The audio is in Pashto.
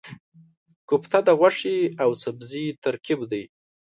کوفته د غوښې او سبزي ترکیب دی.